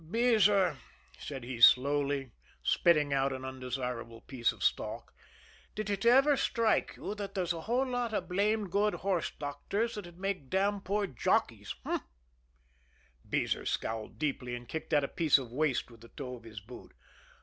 "Beezer," said he slowly, spitting out an undesirable piece of stalk, "did it ever strike you that there's a whole lot of blamed good horse doctors that'd make damn poor jockeys h'm?" Beezer scowled deeply, and kicked at a piece of waste with the toe of his boot.